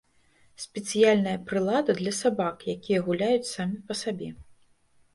Спецыяльная прылада для сабак, якія гуляюць самі па сабе.